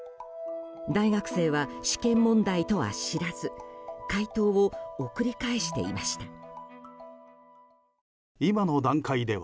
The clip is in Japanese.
大学生は、試験問題とは知らず解答を送り返していました。